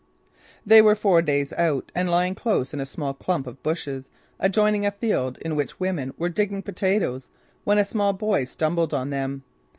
They were four days' out and lying close in a small clump of bushes adjoining a field in which women were digging potatoes when a small boy stumbled on them.